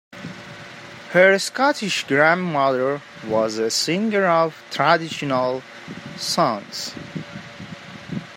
Her Scottish grandmother was a singer of traditional songs.